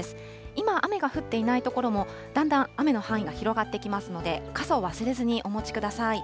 今、雨が降っていない所も、だんだん雨の範囲が広がってきますので、傘を忘れずにお持ちください。